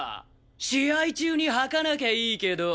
試合中に吐かなきゃいいけど。